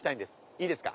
いいですか？